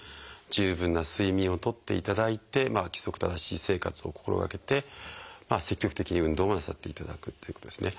十分な睡眠をとっていただいて規則正しい生活を心がけて積極的に運動もなさっていただくということですね。